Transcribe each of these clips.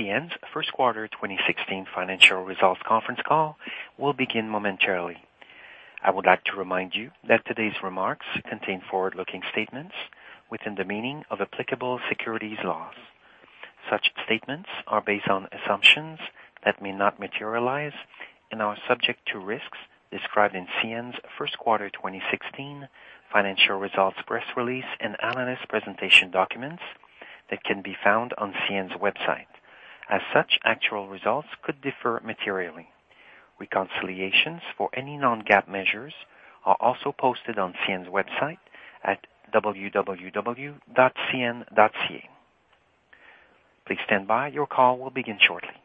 CN's first quarter 2016 financial results conference call will begin momentarily. I would like to remind you that today's remarks contain forward-looking statements within the meaning of applicable securities laws. Such statements are based on assumptions that may not materialize and are subject to risks described in CN's first quarter 2016 financial results, press release, and analyst presentation documents that can be found on CN's website. As such, actual results could differ materially. Reconciliations for any Non-GAAP measures are also posted on CN's website at www.cn.ca. Please stand by. Your call will begin shortly.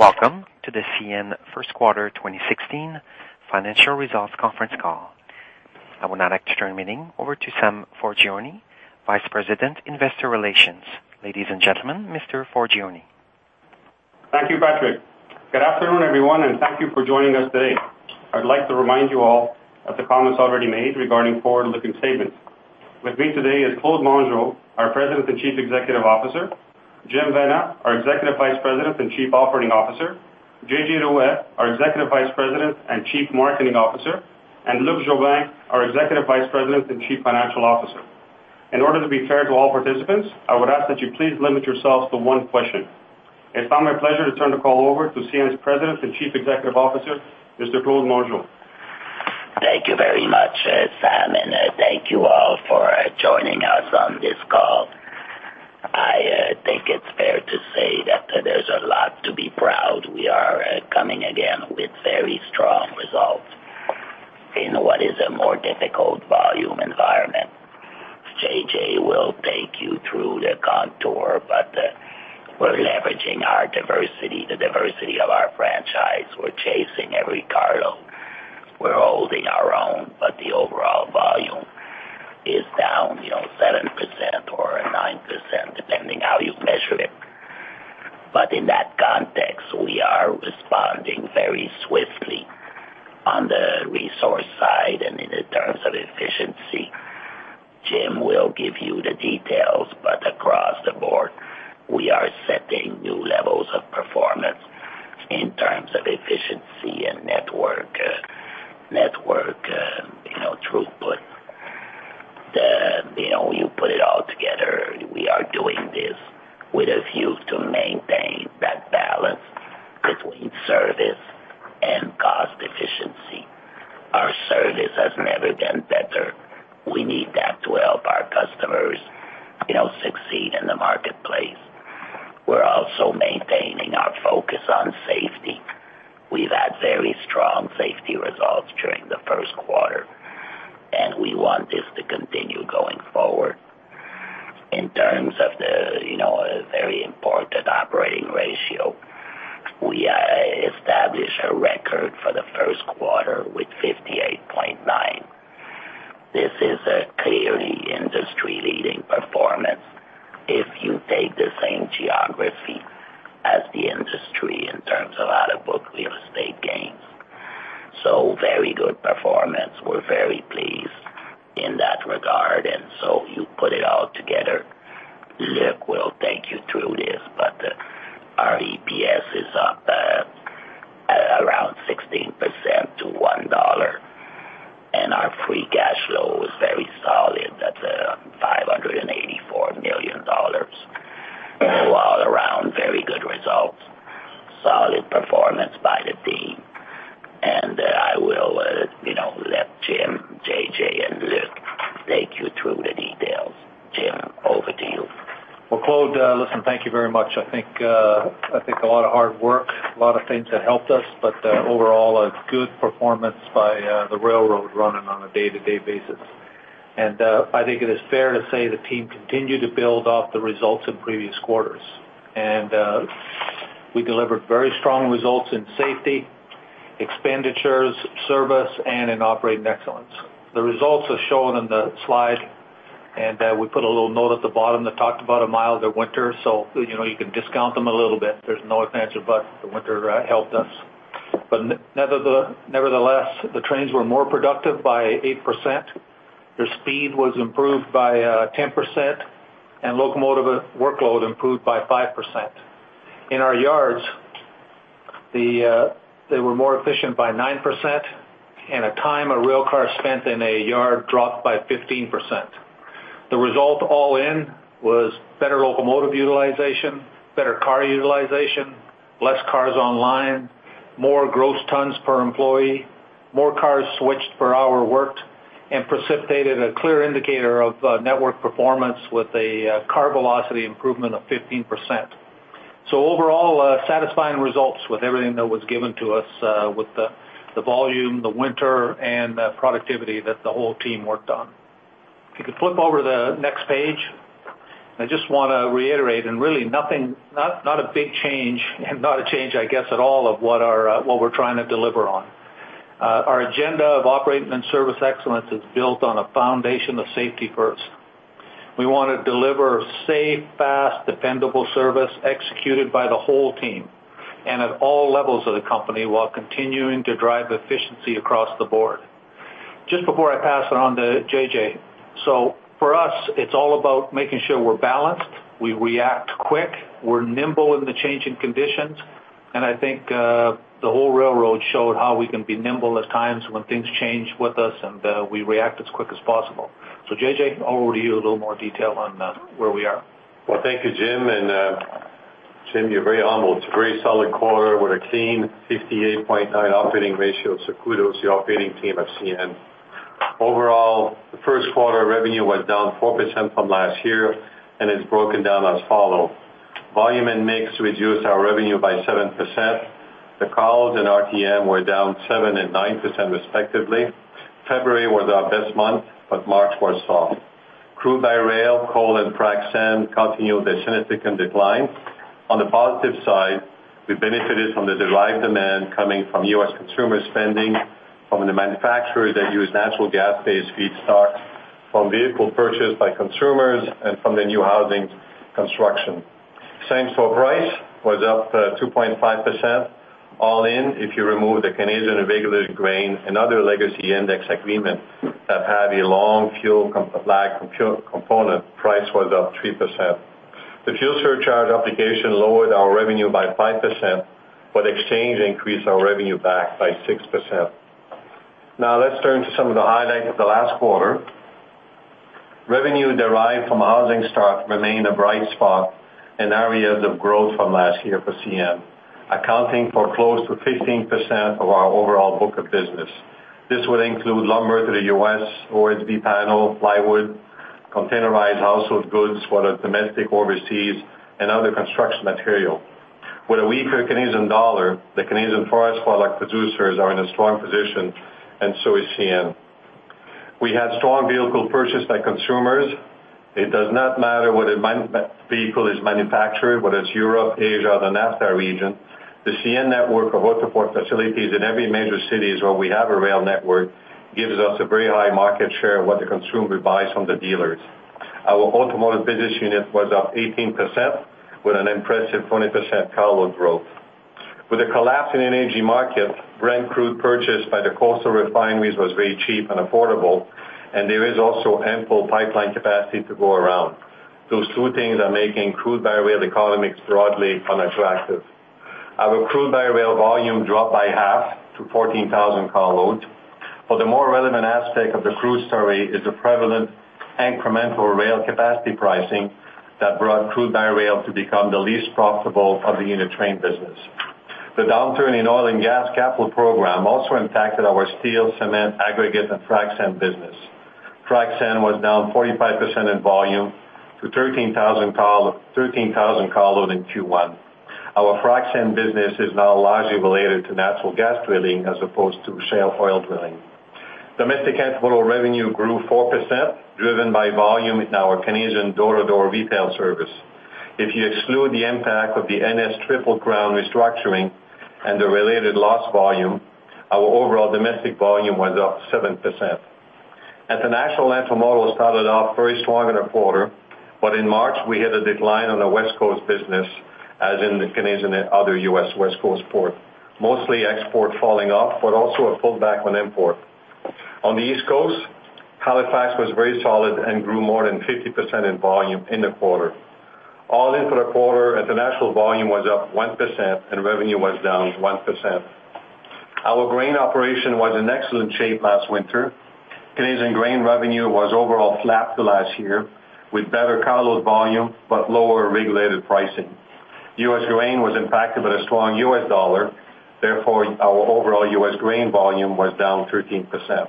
Welcome to the CN first quarter 2016 financial results conference call. I would now like to turn the meeting over to Sam Forgione, Vice President, Investor Relations. Ladies and gentlemen, Mr. Forgione. Thank you, Patrick. Good afternoon, everyone, and thank you for joining us today. I'd like to remind you all of the comments already made regarding forward-looking statements. With me today is Claude Mongeau, our President and Chief Executive Officer, Jim Vena, our Executive Vice President and Chief Operating Officer, JJ Ruest, our Executive Vice President and Chief Marketing Officer, and Luc Jobin, our Executive Vice President and Chief Financial Officer. In order to be fair to all participants, I would ask that you please limit yourselves to one question. It's now my pleasure to turn the call over to CN's President and Chief Executive Officer, Mr. Claude Mongeau. Thank you very much, Sam, and thank you all for joining us and we put a little note at the bottom that talked about a milder winter, so, you know, you can discount them a little bit. There's no answer, but the winter helped us. But nevertheless, the trains were more productive by 8%. Their speed was improved by 10%, and locomotive workload improved by 5%. In our yards, the, they were more efficient by 9%, and a time a rail car spent in a yard dropped by 15%. The result all in was better locomotive utilization, better car utilization, less cars online, more gross tons per employee, more cars switched per hour worked, and precipitated a clear indicator of, network performance with a, car velocity improvement of 15%. So overall, satisfying results with everything that was given to us, with the, the volume, the winter, and the productivity that the whole team worked on. If you could flip over the next page?... I just wanna reiterate, and really nothing, not, not a big change, and not a change, I guess, at all, of what our, what we're trying to deliver on. Our agenda of operating and service excellence is built on a foundation of safety first. We wanna deliver safe, fast, dependable service executed by the whole team and at all levels of the company, while continuing to drive efficiency across the board. Just before I pass it on to JJ, so for us, it's all about making sure we're balanced, we react quick, we're nimble in the changing conditions, and I think, the whole railroad showed how we can be nimble at times when things change with us, and, we react as quick as possible. So JJ, over to you, a little more detail on, where we are. Well, thank you, Jim, and, Jim, you're very humble. It's a very solid quarter with a clean 58.9 operating ratio, so kudos to the operating team of CN. Overall, the first quarter revenue was down 4% from last year and is broken down as follow. Volume and mix reduced our revenue by 7%. The cars and RTM were down 7% and 9%, respectively. February was our best month, but March was soft. Crude by rail, coal, and frac sand continued their significant decline. On the positive side, we benefited from the derived demand coming from U.S. consumer spending, from the manufacturers that use natural gas-based feedstocks, from vehicle purchased by consumers, and from the new housing construction. Same store price was up, 2.5%. All in, if you remove the Canadian regulated grain and other legacy index agreement that have a long fuel lag component, price was up 3%. The fuel surcharge application lowered our revenue by 5%, but exchange increased our revenue back by 6%. Now, let's turn to some of the highlights of the last quarter. Revenue derived from housing stock remained a bright spot and areas of growth from last year for CN, accounting for close to 15% of our overall book of business. This would include lumber to the U.S., OSB panel, plywood, containerized household goods, whether domestic, overseas, and other construction material. With a weaker Canadian dollar, the Canadian forest product producers are in a strong position, and so is CN. We had strong vehicle purchase by consumers. It does not matter whether motor vehicle is manufactured, whether it's Europe, Asia, or the NAFTA region. The CN network of auto port facilities in every major city is where we have a rail network, gives us a very high market share of what the consumer buys from the dealers. Our automotive business unit was up 18%, with an impressive 20% carload growth. With a collapse in the energy market, Brent crude purchased by the coastal refineries was very cheap and affordable, and there is also ample pipeline capacity to go around. Those two things are making crude-by-rail economics broadly unattractive. Our crude-by-rail volume dropped by half to 14,000 carloads, but the more relevant aspect of the crude story is the prevalent incremental rail capacity pricing that brought crude by rail to become the least profitable of the unit train business. The downturn in oil and gas capital program also impacted our steel, cement, aggregate, and frac sand business. Frac sand was down 45% in volume to 13,000 carloads in Q1. Our frac sand business is now largely related to natural gas drilling, as opposed to shale oil drilling. Domestic intermodal revenue grew 4%, driven by volume in our Canadian door-to-door retail service. If you exclude the impact of the NS Triple Crown restructuring and the related lost volume, our overall domestic volume was up 7%. International intermodal started off very strong in the quarter, but in March, we had a decline on the West Coast business, as in the Canadian and other U.S. West Coast port. Mostly export falling off, but also a pullback on import. On the East Coast, Halifax was very solid and grew more than 50% in volume in the quarter. All in for the quarter, international volume was up 1%, and revenue was down 1%. Our grain operation was in excellent shape last winter. Canadian grain revenue was overall flat to last year, with better carload volume, but lower regulated pricing. U.S. grain was impacted by the strong U.S. dollar, therefore, our overall U.S. grain volume was down 13%.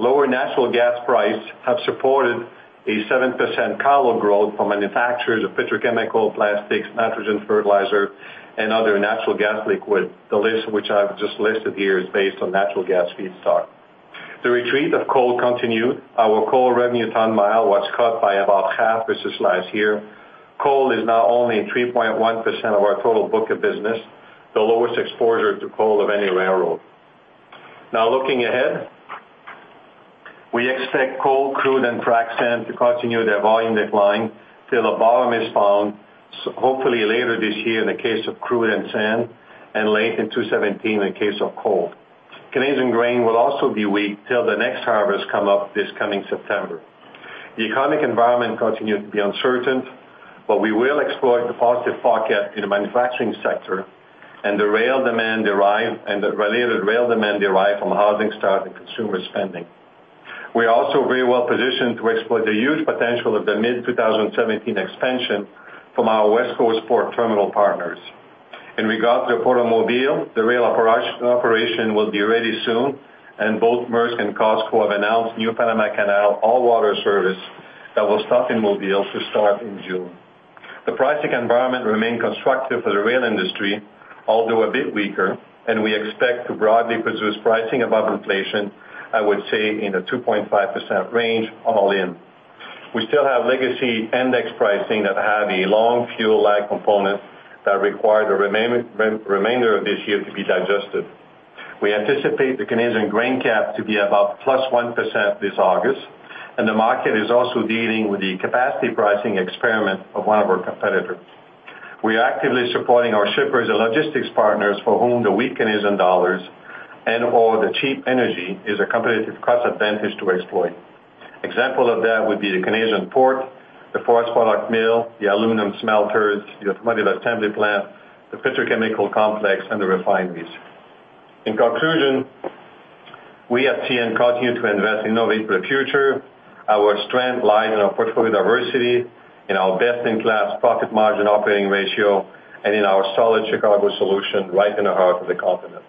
Lower natural gas price have supported a 7% carload growth for manufacturers of petrochemical, plastics, nitrogen, fertilizer, and other natural gas liquid. The list which I've just listed here is based on natural gas feedstock. The retreat of coal continued. Our coal revenue ton mile was cut by about half versus last year. Coal is now only 3.1% of our total book of business, the lowest exposure to coal of any railroad. Now, looking ahead, we expect coal, crude, and frac sand to continue their volume decline till a bottom is found, so hopefully later this year in the case of crude and sand, and late in 2017 in the case of coal. Canadian grain will also be weak till the next harvest come up this coming September. The economic environment continues to be uncertain, but we will exploit the positive forecast in the manufacturing sector and the rail demand derived and the related rail demand derived from housing start and consumer spending. We are also very well positioned to exploit the huge potential of the mid-2017 expansion from our West Coast port terminal partners. In regards to Port of Mobile, the rail operation will be ready soon, and both Maersk and COSCO have announced new Panama Canal all-water service that will stop in Mobile to start in June. The pricing environment remained constructive for the rail industry, although a bit weaker, and we expect to broadly pursue pricing above inflation, I would say, in the 2.5% range, all in. We still have legacy index pricing that have a long fuel lag component that require the remainder of this year to be digested. We anticipate the Canadian grain cap to be about +1% this August, and the market is also dealing with the capacity pricing experiment of one of our competitors. We are actively supporting our shippers and logistics partners for whom the weak Canadian dollars and/or the cheap energy is a competitive cost advantage to exploit. Example of that would be the Canadian port, the forest product mill, the aluminum smelters, the automotive assembly plant, the petrochemical complex, and the refineries. In conclusion, we at CN continue to invest and innovate for the future. Our strength lies in our portfolio diversity, in our best-in-class profit margin operating ratio, and in our solid Chicago solution, right in the heart of the continent.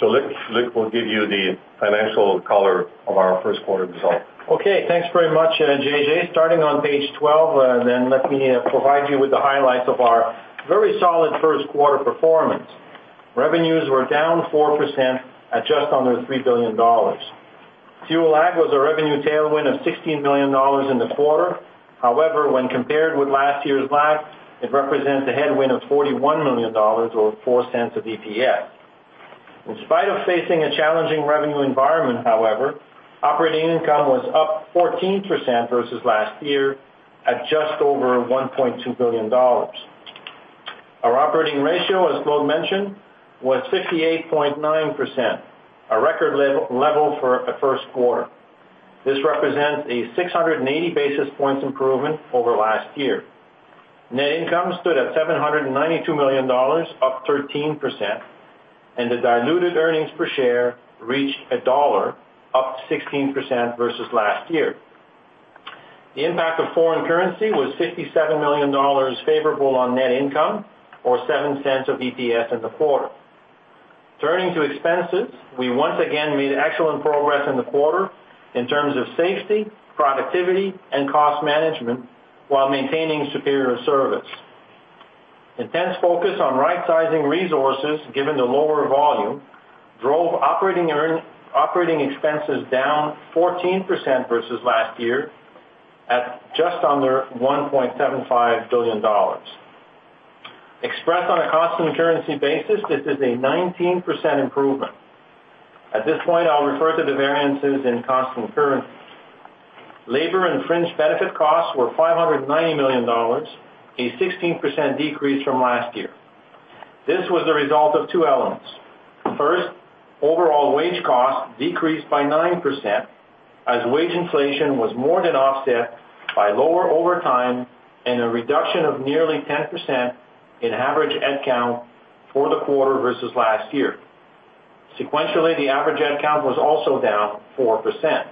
So Luc, Luc will give you the financial color of our first quarter results. Okay, thanks very much, JJ. Starting on page 12, then let me provide you with the highlights of our very solid first quarter performance. Revenues were down 4% at just under $3 billion. Fuel lag was a revenue tailwind of $16 million in the quarter. However, when compared with last year's lag, it represents a headwind of $41 million or 4 cents of EPS. In spite of facing a challenging revenue environment, however, operating income was up 14% versus last year, at just over $1.2 billion. Our operating ratio, as Claude mentioned, was 58.9%, a record level for a first quarter. This represents a 680 basis points improvement over last year. Net income stood at $792 million, up 13%, and the diluted earnings per share reached $1, up 16% versus last year. The impact of foreign currency was $57 million favorable on net income, or $0.07 of EPS in the quarter. Turning to expenses, we once again made excellent progress in the quarter in terms of safety, productivity, and cost management, while maintaining superior service. Intense focus on right-sizing resources, given the lower volume, drove operating expenses down 14% versus last year, at just under $1.75 billion. Expressed on a constant currency basis, this is a 19% improvement. At this point, I'll refer to the variances in constant currency. Labor and fringe benefit costs were $590 million, a 16% decrease from last year. This was the result of two elements. First, overall wage costs decreased by 9%, as wage inflation was more than offset by lower overtime and a reduction of nearly 10% in average headcount for the quarter versus last year. Sequentially, the average headcount was also down 4%.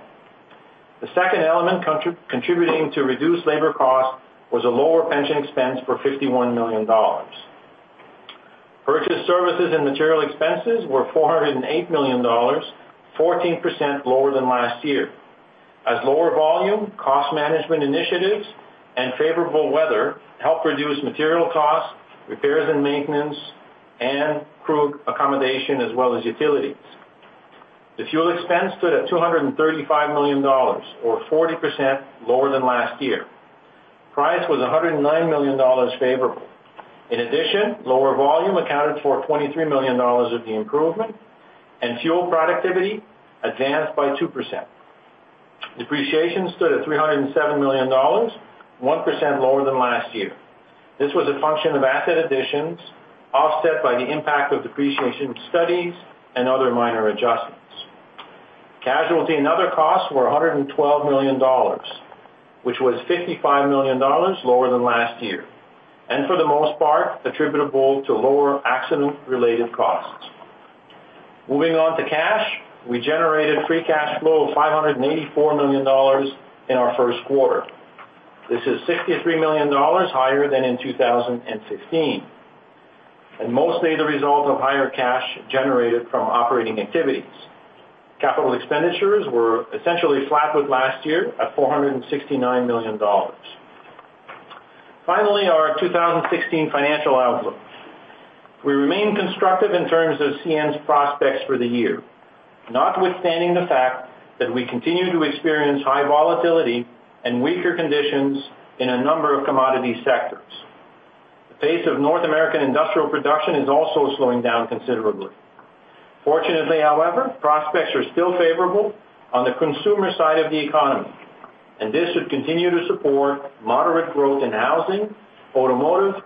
The second element contributing to reduced labor costs was a lower pension expense of 51 million dollars. Purchased services and material expenses were 408 million dollars, 14% lower than last year, as lower volume, cost management initiatives, and favorable weather helped reduce material costs, repairs and maintenance, and crew accommodation, as well as utilities. The fuel expense stood at 235 million dollars, or 40% lower than last year. Price was 109 million dollars favorable. In addition, lower volume accounted for $23 million of the improvement, and fuel productivity advanced by 2%. Depreciation stood at $307 million, 1% lower than last year. This was a function of asset additions, offset by the impact of depreciation studies and other minor adjustments. Casualty and other costs were $112 million, which was $55 million lower than last year, and for the most part, attributable to lower accident-related costs. Moving on to cash. We generated free cash flow of $584 million in our first quarter. This is $63 million higher than in 2016, and mostly the result of higher cash generated from operating activities. Capital expenditures were essentially flat with last year, at $469 million. Finally, our 2016 financial outlook. We remain constructive in terms of CN's prospects for the year, notwithstanding the fact that we continue to experience high volatility and weaker conditions in a number of commodity sectors. The pace of North American industrial production is also slowing down considerably. Fortunately, however, prospects are still favorable on the consumer side of the economy, and this should continue to support moderate growth in housing, automotive,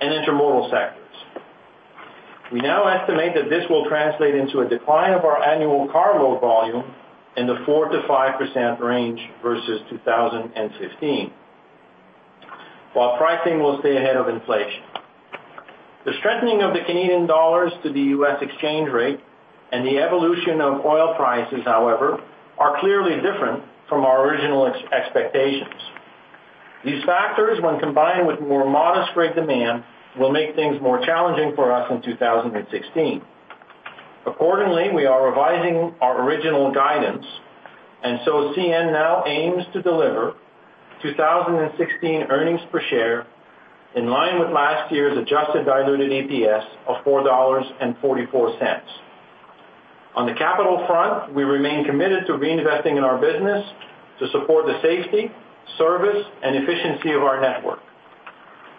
and intermodal sectors. We now estimate that this will translate into a decline of our annual carload volume in the 4%-5% range versus 2015, while pricing will stay ahead of inflation. The strengthening of the Canadian dollar to the U.S. exchange rate and the evolution of oil prices, however, are clearly different from our original expectations. These factors, when combined with more modest freight demand, will make things more challenging for us in 2016.... Accordingly, we are revising our original guidance, and so CN now aims to deliver 2016 earnings per share in line with last year's adjusted diluted EPS of $4.44. On the capital front, we remain committed to reinvesting in our business to support the safety, service, and efficiency of our network.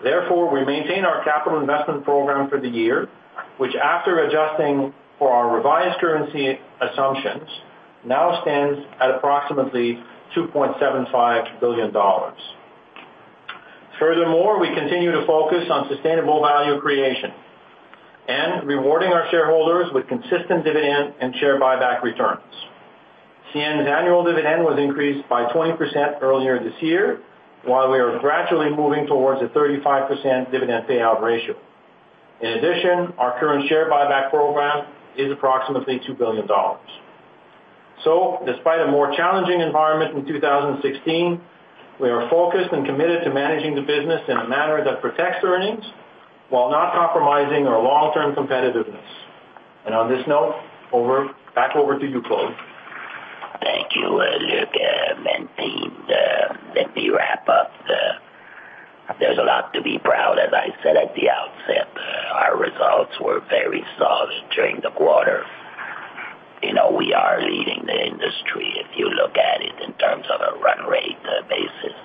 Therefore, we maintain our capital investment program for the year, which, after adjusting for our revised currency assumptions, now stands at approximately $2.75 billion. Furthermore, we continue to focus on sustainable value creation and rewarding our shareholders with consistent dividend and share buyback returns. CN's annual dividend was increased by 20% earlier this year, while we are gradually moving towards a 35% dividend payout ratio. In addition, our current share buyback program is approximately $2 billion. Despite a more challenging environment in 2016, we are focused and committed to managing the business in a manner that protects earnings while not compromising our long-term competitiveness. On this note, over, back over to you, Claude. Thank you, Luc, and team. Let me wrap up. There's a lot to be proud. As I said at the outset, our results were very solid during the quarter. You know, we are leading the industry. If you look at it in terms of a run rate, basis,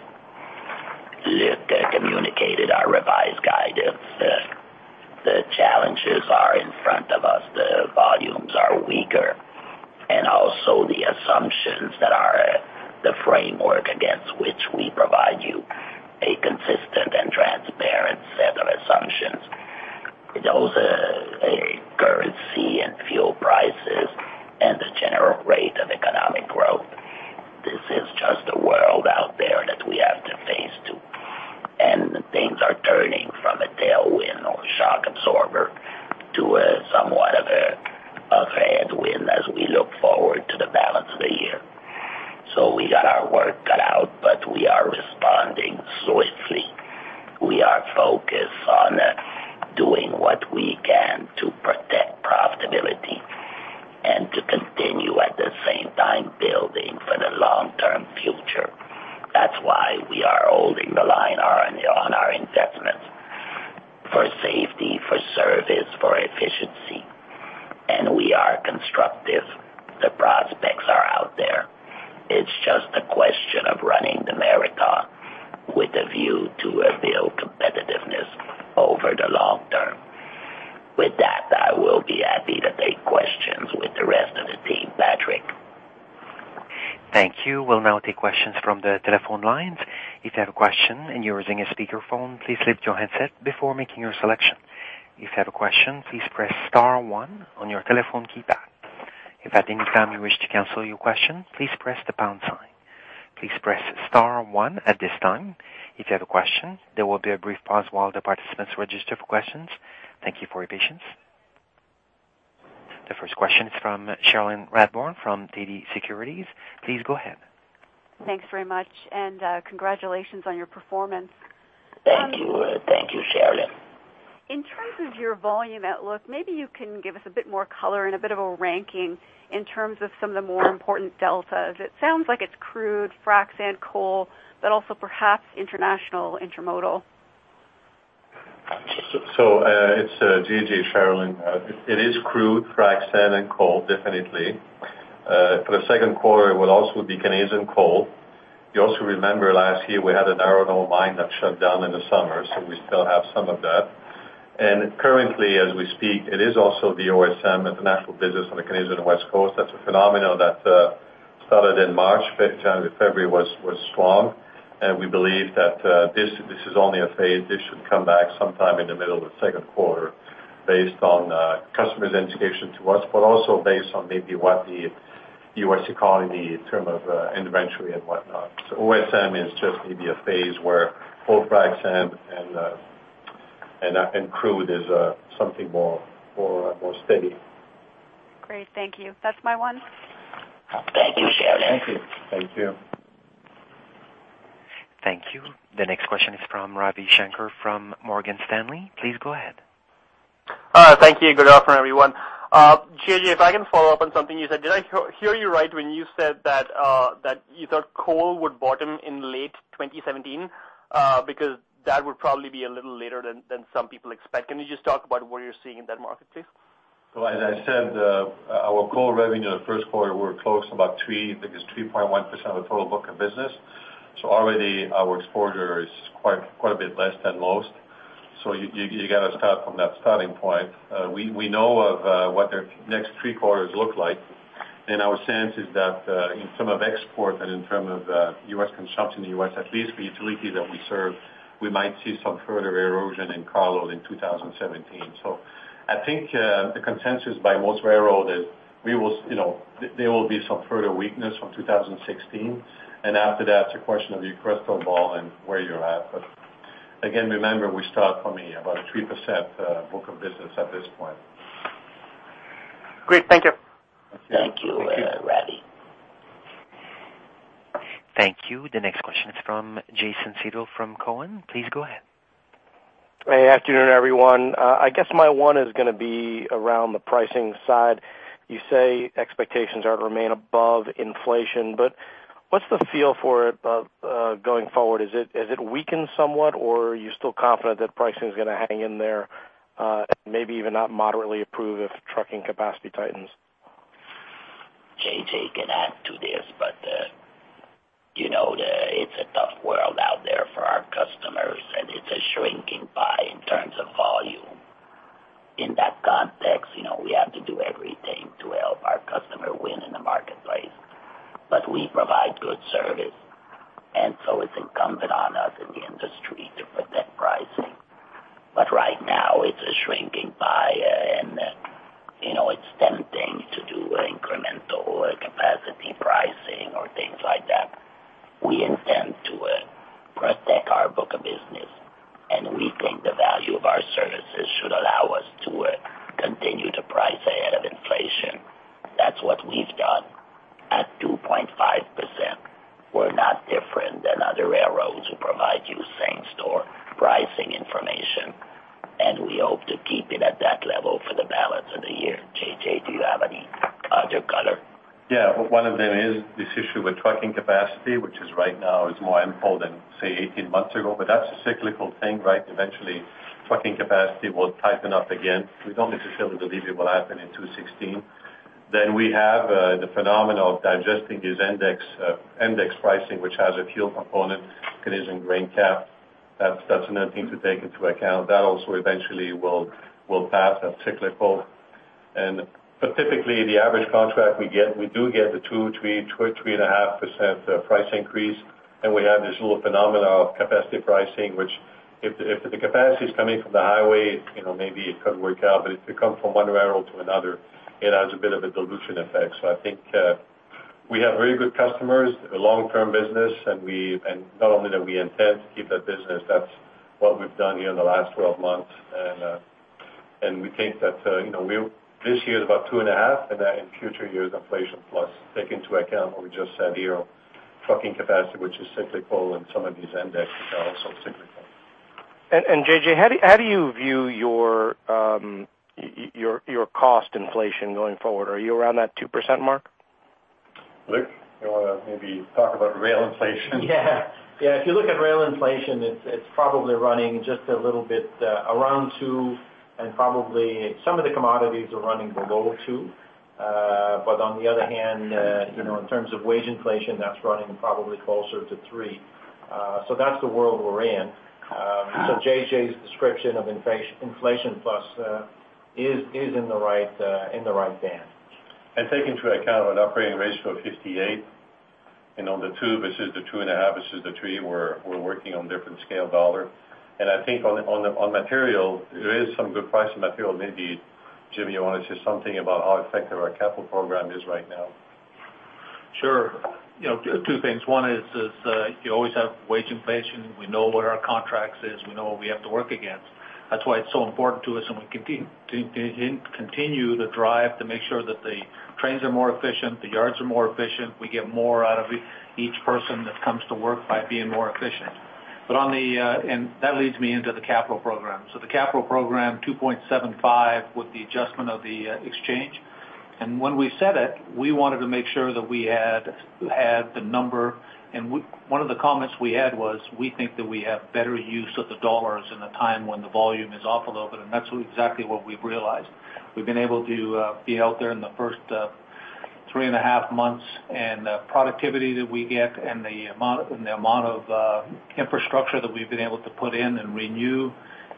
Luc communicated our revised guide. The challenges are in front of us. The volumes are weaker, and also the assumptions that are the framework against which we provide you a consistent and transparent set of assumptions. Those, currency and fuel prices and the general rate of economic growth, this is just a world out there that we have to face to, and things are turning from a tailwind or shock absorber to a somewhat of a, of a headwind as we look forward to the balance of the year. So we got our work cut out, but we are responding swiftly. We are focused on doing what we can to protect profitability and to continue, at the same time, building for the long-term future. That's why we are holding the line on, on our investments for safety, for service, for efficiency. And we are constructive. The prospects are out there. It's just a question of running the marathon with a view to build competitiveness over the long term. With that, I will be happy to take questions with the rest of the team. Patrick? Thank you. We'll now take questions from the telephone lines. If you have a question and you're using a speakerphone, please lift your handset before making your selection. If you have a question, please press star one on your telephone keypad. If at any time you wish to cancel your question, please press the pound sign. Please press star one at this time if you have a question. There will be a brief pause while the participants register for questions. Thank you for your patience. The first question is from Cherilyn Radbourne from TD Securities. Please go ahead. Thanks very much, and congratulations on your performance. Thank you. Thank you, Cherilyn. In terms of your volume outlook, maybe you can give us a bit more color and a bit of a ranking in terms of some of the more important deltas. It sounds like it's crude, frac sand, coal, but also perhaps international intermodal. So, it's JJ, Cherilyn. It is crude, frac sand, and coal, definitely. For the second quarter, it will also be Canadian coal. You also remember last year we had an iron ore mine that shut down in the summer, so we still have some of that. And currently, as we speak, it is also the OSB international business on the Canadian West Coast. That's a phenomenon that started in March. February was strong, and we believe that this is only a phase. This should come back sometime in the middle of the second quarter based on customers' indication to us, but also based on maybe what the US economy in terms of inventory and whatnot. So OSB is just maybe a phase where both frac sand and crude is something more steady. Great. Thank you. That's my one. Thank you, Cherilyn. Thank you. Thank you. Thank you. The next question is from Ravi Shanker from Morgan Stanley. Please go ahead. Thank you. Good afternoon, everyone. JJ, if I can follow up on something you said. Did I hear you right when you said that you thought coal would bottom in late 2017? Because that would probably be a little later than some people expect. Can you just talk about what you're seeing in that market, please? So as I said, our coal revenue in the first quarter were close to about 3%, I think it's 3.1% of the total book of business. So already our exposure is quite, quite a bit less than most. So you, you gotta start from that starting point. We know of what the next three quarters look like, and our sense is that, in term of export and in term of, U.S. consumption in the U.S., at least the utility that we serve, we might see some further erosion in cargo in 2017. So I think, the consensus by most railroad is we will, you know, there will be some further weakness from 2016, and after that, it's a question of your crystal ball and where you're at. But again, remember, we start from about a 3% book of business at this point. Great. Thank you. Thank you, Ravi.... Thank you. The next question is from Jason Seidl from Cowen. Please go ahead. Hey, afternoon, everyone. I guess my one is gonna be around the pricing side. You say expectations are to remain above inflation, but what's the feel for it going forward? Has it weakened somewhat, or are you still confident that pricing is gonna hang in there, and maybe even not moderately improve if trucking capacity tightens? JJ can add to this, but, you know, it's a tough world out there for our customers, and it's a shrinking pie in terms of volume. In that context, you know, we have to do everything to help our customer win in the marketplace. But we provide good service, and so it's incumbent on us in the industry to protect pricing. But right now, it's a shrinking pie, and, you know, it's tempting to do incremental or capacity pricing or things like that. We intend to protect our book of business, and we think the value of our services should allow us to continue to price ahead of inflation. That's what we've done at 2.5%. We're not different than other railroads who provide you same store pricing information, and we hope to keep it at that level for the balance of the year. JJ, do you have any other color? Yeah. One of them is this issue with trucking capacity, which is right now is more tenfold than, say, 18 months ago, but that's a cyclical thing, right? Eventually, trucking capacity will tighten up again. We don't necessarily believe it will happen in 2016. Then we have the phenomenon of digesting these index pricing, which has a fuel component, Canadian grain cap. That's another thing to take into account. That also eventually will pass as cyclical. But typically, the average contract we get, we do get the 2%-3%, 2%-3.5% price increase, and we have this little phenomenon of capacity pricing, which if the capacity is coming from the highway, you know, maybe it could work out, but if it comes from one railroad to another, it has a bit of a dilution effect. I think we have very good customers, a long-term business, and not only that, we intend to keep that business. That's what we've done here in the last 12 months. We think that, you know, this year is about 2.5, and then in future years, inflation plus. Take into account what we just said here, trucking capacity, which is cyclical and some of these indexes are also cyclical. JJ, how do you view your cost inflation going forward? Are you around that 2% mark? Luc, you wanna maybe talk about rail inflation? Yeah. Yeah, if you look at rail inflation, it's probably running just a little bit around 2, and probably some of the commodities are running below 2. But on the other hand, you know, in terms of wage inflation, that's running probably closer to three. So that's the world we're in. So JJ's description of inflation plus is in the right band. Take into account an operating ratio of 58%, and on the two versus the 2.5 versus the three, we're working on different scale dollar. And I think on material, there is some good price in material. Maybe, Jimmy, you want to say something about how effective our capital program is right now? Sure. You know, two things. One is, you always have wage inflation. We know what our contracts is, we know what we have to work against. That's why it's so important to us, and we continue the drive to make sure that the trains are more efficient, the yards are more efficient, we get more out of each person that comes to work by being more efficient. But on the... And that leads me into the capital program. So the capital program, $2.75, with the adjustment of the exchange. And when we said it, we wanted to make sure that we had, had the number, and one of the comments we had was, we think that we have better use of the dollars in a time when the volume is off a little bit, and that's exactly what we've realized. We've been able to be out there in the first three and a half months, and productivity that we get and the amount, and the amount of infrastructure that we've been able to put in and renew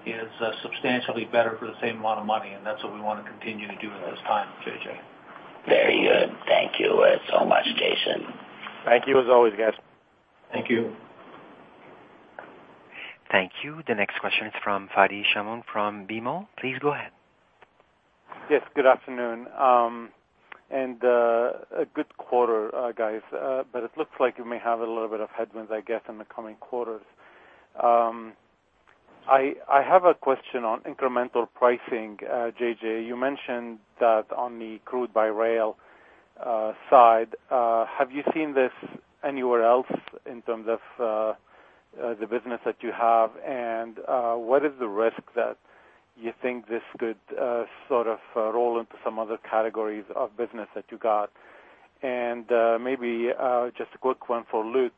is substantially better for the same amount of money, and that's what we wanna continue to do at this time, JJ. Very good. Thank you, so much, Jason. Thank you as always, guys. Thank you. Thank you. The next question is from Fadi Chamoun from BMO. Please go ahead. Yes, good afternoon. And a good quarter, guys, but it looks like you may have a little bit of headwinds, I guess, in the coming quarters. I have a question on incremental pricing. JJ, you mentioned that on the crude by rail side, have you seen this anywhere else in terms of the business that you have? And, what is the risk that you think this could sort of roll into some other categories of business that you got? And, maybe just a quick one for Luc.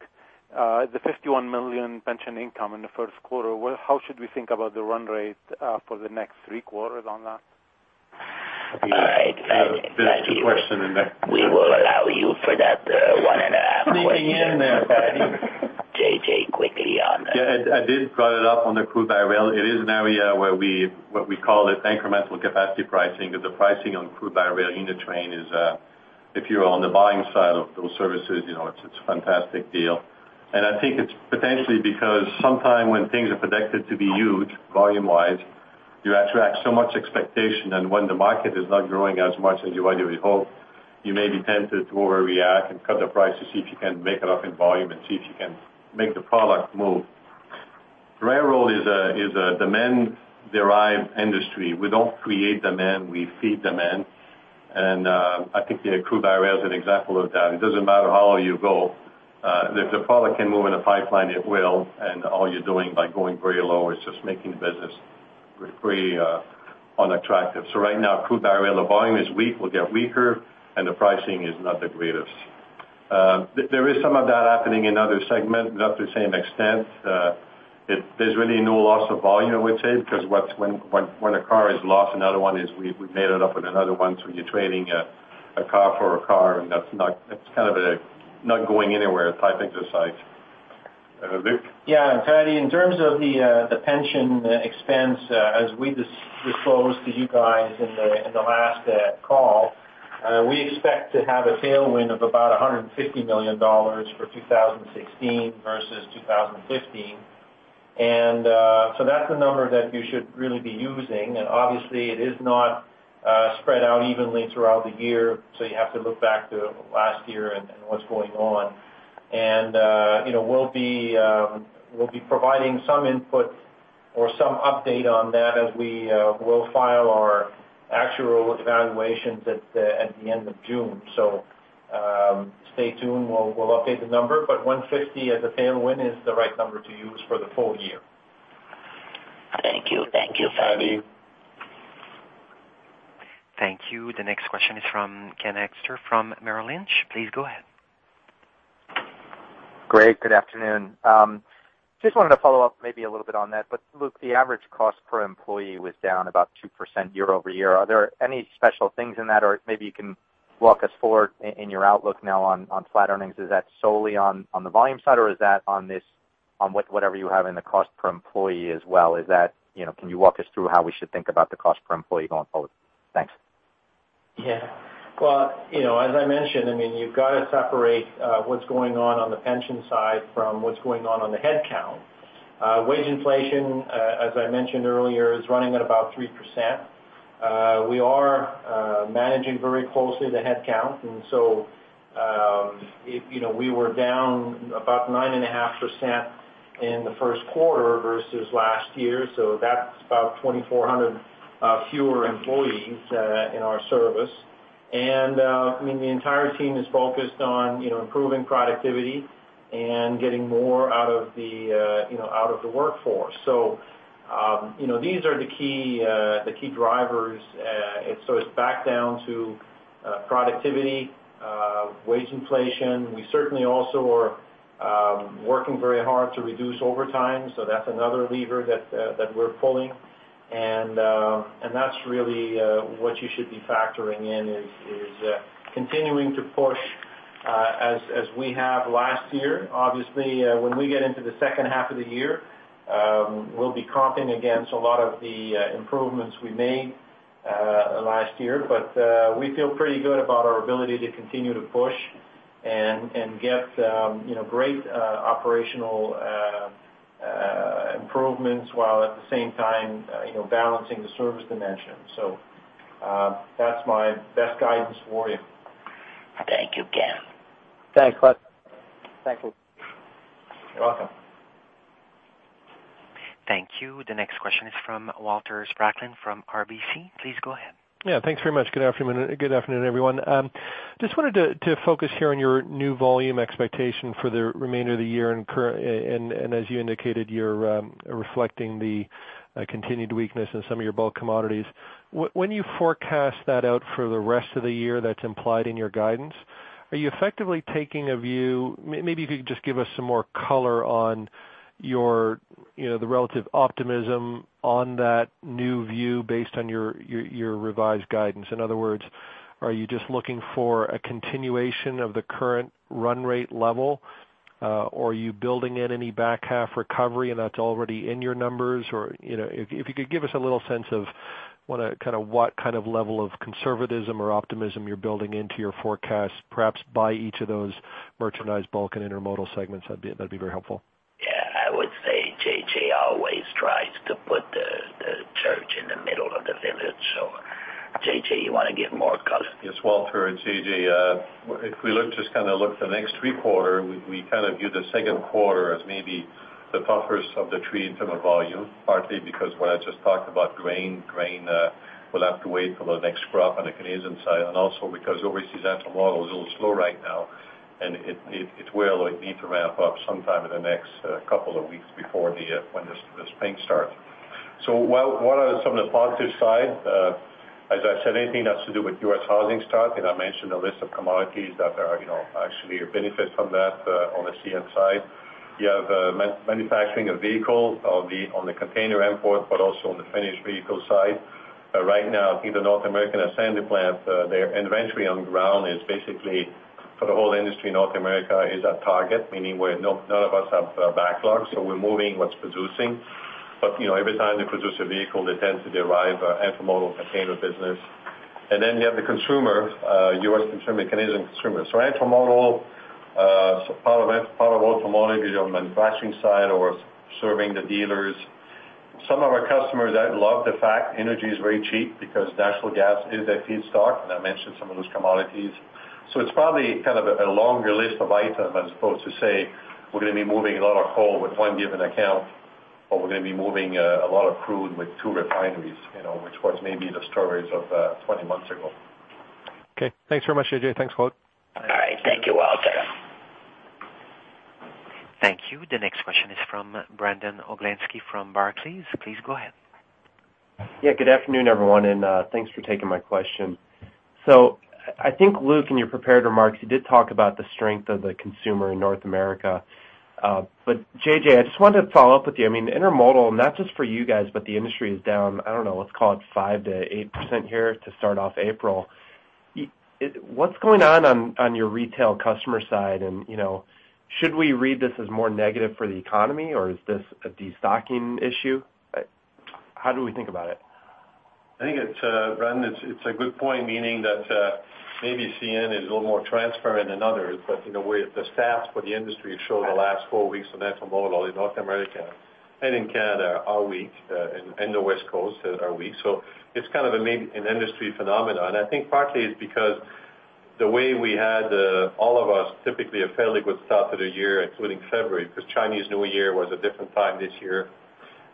The $51 million pension income in the first quarter, what, how should we think about the run rate for the next three quarters on that? All right. There's a question in there. We will allow you for that, one and a half question. Squeezing in there, Fadi. JJ, quickly on- Yeah, I did bring it up on the crude by rail. It is an area where we what we call it incremental capacity pricing. Because the pricing on crude by rail in the train is, if you're on the buying side of those services, you know, it's a fantastic deal. And I think it's potentially because sometime when things are predicted to be huge, volume-wise, you attract so much expectation, and when the market is not growing as much as you widely hope, you may be tempted to overreact and cut the price to see if you can make it up in volume and see if you can make the product move. Railroad is a demand-derived industry. We don't create demand, we feed demand. And I think the crude by rail is an example of that. It doesn't matter how low you go, if the product can move in a pipeline, it will, and all you're doing by going very low is just making the business pretty unattractive. So right now, crude by rail, the volume is weak, will get weaker, and the pricing is not the greatest. There is some of that happening in other segments, not to the same extent. There's really no loss of volume, I would say, because when a car is lost, another one is, we've made it up with another one. So you're trading a car for a car, and that's kind of a not going anywhere type exercise. Luc? Yeah, Fadi, in terms of the pension expense, as we disclosed to you guys in the last call, we expect to have a tailwind of about $150 million for 2016 versus 2015. So that's a number that you should really be using, and obviously it is not spread out evenly throughout the year, so you have to look back to last year and what's going on. You know, we'll be providing some input or some update on that as we will file our actual evaluations at the end of June. So, stay tuned. We'll update the number, but 150 as a tailwind is the right number to use for the full year. Thank you. Thank you, Fadi. Thank you. Thank you. The next question is from Ken Hoexter from Merrill Lynch. Please go ahead. Great, good afternoon. Just wanted to follow up maybe a little bit on that. But Luke, the average cost per employee was down about 2% year-over-year. Are there any special things in that? Or maybe you can walk us forward in your outlook now on flat earnings. Is that solely on the volume side, or is that on this, on whatever you have in the cost per employee as well? You know, can you walk us through how we should think about the cost per employee going forward? Thanks. Yeah. Well, you know, as I mentioned, I mean, you've got to separate what's going on on the pension side from what's going on on the headcount. Wage inflation, as I mentioned earlier, is running at about 3%. We are managing very closely the headcount, and so, you know, we were down about 9.5% in the first quarter versus last year, so that's about 2,400 fewer employees in our service. And, I mean, the entire team is focused on, you know, improving productivity and getting more out of the workforce. So, you know, these are the key drivers. And so it's back down to productivity, wage inflation. We certainly also are working very hard to reduce overtime, so that's another lever that that we're pulling. And that's really what you should be factoring in, is continuing to push as we have last year. Obviously, when we get into the second half of the year, we'll be comping against a lot of the improvements we made last year. But we feel pretty good about our ability to continue to push and get you know great operational improvements, while at the same time you know balancing the service dimension. So that's my best guidance for you. Thank you, Ken. Thanks, bye. Thank you. You're welcome. Thank you. The next question is from Walter Spracklin from RBC. Please go ahead. Yeah, thanks very much. Good afternoon, good afternoon, everyone. Just wanted to focus here on your new volume expectation for the remainder of the year and current and as you indicated, you're reflecting the continued weakness in some of your bulk commodities. When you forecast that out for the rest of the year, that's implied in your guidance, are you effectively taking a view... Maybe if you could just give us some more color on your, you know, the relative optimism on that new view based on your revised guidance. In other words, are you just looking for a continuation of the current run rate level, or are you building in any back half recovery and that's already in your numbers? Or, you know, if you could give us a little sense of what kind of level of conservatism or optimism you're building into your forecast, perhaps by each of those merchandise, bulk and intermodal segments, that'd be very helpful. Yeah, I would say JJ always tries to put the church in the middle of the village. JJ, you want to give more color? Yes, Walter, it's JJ. If we look, just kind of look the next three quarter, we, we kind of view the second quarter as maybe the toughest of the three in terms of volume, partly because what I just talked about, grain. Grain will have to wait till the next crop on the Canadian side, and also because overseas intermodal is a little slow right now, and it, it, it will need to ramp up sometime in the next couple of weeks before the, when the, the spring starts. So while—what are some of the positive side? As I said, anything that has to do with US housing start, and I mentioned a list of commodities that are, you know, actually benefit from that, on the CN side. You have manufacturing a vehicle on the, on the container import, but also on the finished vehicle side. Right now, I think the North American assembly plant, their inventory on ground is basically, for the whole industry, North America is at target, meaning where none of us have backlogs, so we're moving what's producing. But, you know, every time they produce a vehicle, they tend to derive intermodal container business. And then you have the consumer, U.S. consumer, Canadian consumer. So intermodal, so part of it, part of automotive, you have manufacturing side or serving the dealers. Some of our customers that love the fact energy is very cheap because natural gas is a feedstock, and I mentioned some of those commodities. So it's probably kind of a longer list of items as opposed to say, we're gonna be moving a lot of coal with one given account, or we're gonna be moving a lot of crude with two refineries, you know, which was maybe the stories of 20 months ago. Okay, thanks very much, JJ. Thanks, Claude. All right. Thank you, Walter. Thank you. The next question is from Brandon Oglenski from Barclays. Please go ahead. Yeah, good afternoon, everyone, and thanks for taking my question. So I think, Luc, in your prepared remarks, you did talk about the strength of the consumer in North America. But JJ, I just wanted to follow up with you. I mean, intermodal, not just for you guys, but the industry is down. I don't know, let's call it 5%-8% here to start off April. What's going on on your retail customer side? And, you know, should we read this as more negative for the economy, or is this a destocking issue? How do we think about it? I think it's, Brandon, it's a good point, meaning that, maybe CN is a little more transparent than others, but in a way, the stats for the industry show the last four weeks of intermodal in North America and in Canada are weak, and the West Coast are weak. So it's kind of a main industry phenomenon. And I think partly it's because the way we had, all of us, typically a fairly good start to the year, including February, because Chinese New Year was a different time this year,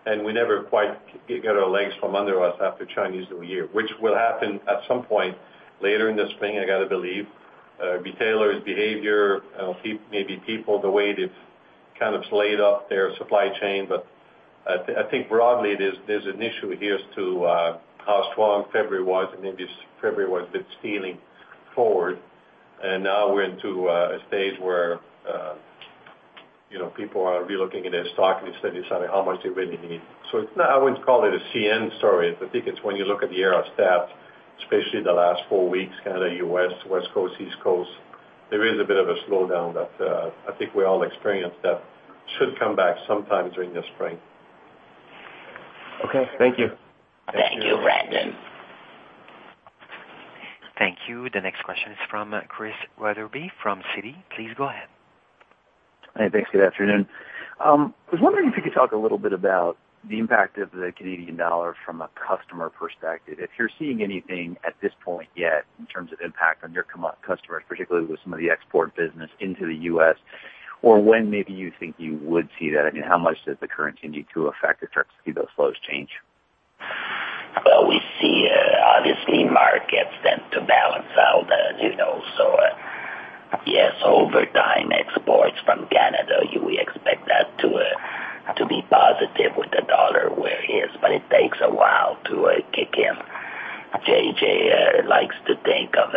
and we never quite get our legs from under us after Chinese New Year, which will happen at some point later in the spring, I gotta believe. Retailer's behavior, maybe people, the way they've kind of laid off their supply chain. But I think broadly, there's an issue here as to how strong February was, and maybe February was a bit stealing forward. And now we're into a stage where, you know, people are relooking at their stock and deciding how much they really need. So it's not. I wouldn't call it a CN story, but I think it's when you look at the year of stats, especially the last four weeks, kind of the U.S. West Coast, East Coast, there is a bit of a slowdown that I think we all experienced, that should come back sometime during the spring. Okay, thank you. Thank you, Brandon. Thank you. The next question is from Chris Wetherbee, from Citi. Please go ahead. Hey, thanks. Good afternoon. I was wondering if you could talk a little bit about the impact of the Canadian dollar from a customer perspective. If you're seeing anything at this point yet in terms of impact on your customers, particularly with some of the export business into the U.S., or when maybe you think you would see that? I mean, how much does the currency tend to affect or start to see those flows change? Well, we see, obviously, markets tend to balance out, you know, so, yes, over time, exports from Canada, we expect that to, to be positive with the dollar where it is, but it takes a while to, kick in. JJ, likes to think of,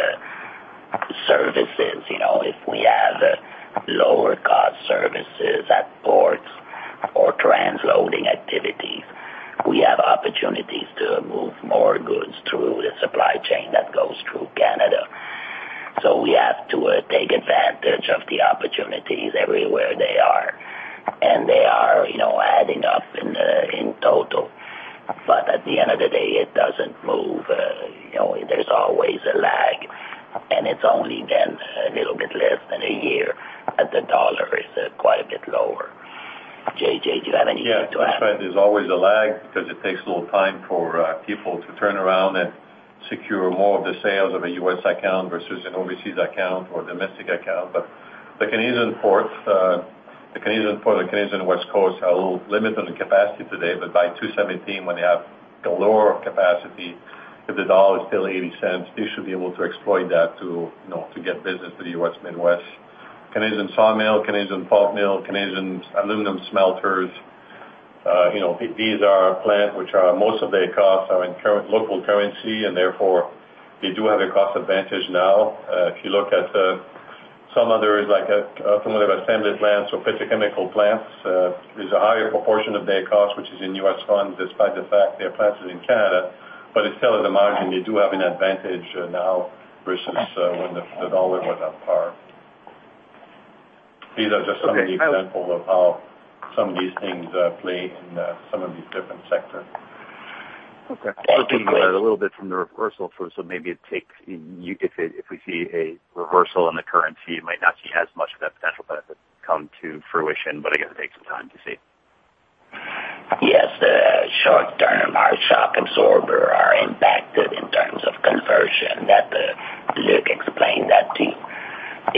services, you know, if we have, lower cost services at ports or transloading activities, we have opportunities to move more goods through the supply chain that goes through Canada. So we have to, take advantage of the opportunities everywhere they are, and they are, you know, adding up in, in total. But at the end of the day, it doesn't move. You know, there's always a lag, and it's only been a little bit less than a year, and the dollar is quite a bit lower. JJ, do you have anything to add? Yeah, that's right. There's always a lag because it takes a little time for people to turn around and secure more of the sales of a U.S. account versus an overseas account or domestic account. But the Canadian ports, the Canadian port, the Canadian West Coast, are a little limited on capacity today, but by 2017, when they have the lower capacity, if the dollar is still 80 cents, they should be able to exploit that to, you know, to get business to the U.S. Midwest. Canadian sawmill, Canadian pulp mill, Canadian aluminum smelters, you know, these are plants which are most of their costs are in currency—local currency, and therefore, they do have a cost advantage now. If you look at some others, like some of assembly plants or petrochemical plants, there's a higher proportion of their cost, which is in U.S. funds, despite the fact their plant is in Canada, but it's still at the margin, they do have an advantage now versus when the dollar was at par. These are just some of the examples of how some of these things play in some of these different sectors. Okay. A little bit from the reversal. So maybe it takes... If we see a reversal in the currency, it might not see as much of that potential benefit come to fruition, but I guess it takes some time to see. Yes, the short term, our shock absorber are impacted in terms of conversion, that, Luc explained that to you.